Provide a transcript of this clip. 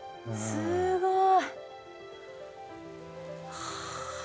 すごい。